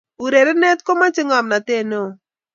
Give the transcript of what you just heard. urerenet komache ngomnotet neo